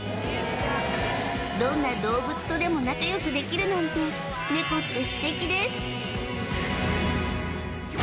どんな動物とでも仲良くできるなんてネコって素敵です